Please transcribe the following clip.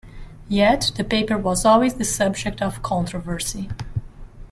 Yet, the paper was always the subject of controversy.